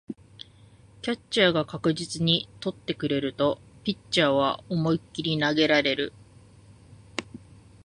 キャッチャーが確実に捕ってくれるとピッチャーは思いっきり投げられる